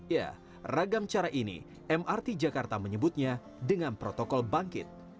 ya ragam cara ini mrt jakarta menyebutnya dengan protokol bangkit